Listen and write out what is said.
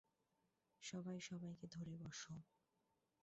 সবাই সবাইকে ধরে বসো।